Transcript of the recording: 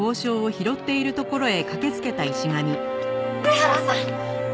上原さん！